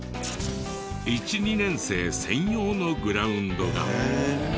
１２年生専用のグラウンドが。